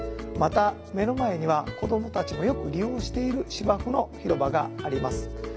また目の前には子どもたちもよく利用している芝生の広場があります。